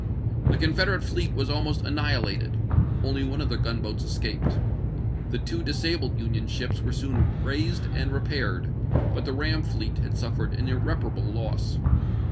The Confederate fleet was almost annihilated ; only one of their gunboats escaped. The two disabled Union ships were soon raised and repaired, but the ram fleet had suffered an irreparable loss.